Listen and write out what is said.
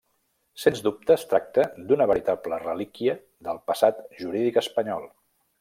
Sens dubte es tracta d'una veritable relíquia del passat jurídic espanyol.